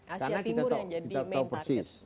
asia timur yang jadi main market